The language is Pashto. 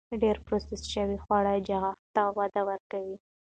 ډېر پروسس شوي خواړه چاغښت ته وده ورکوي.